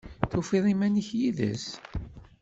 Tufiḍ iman-ik yid-s?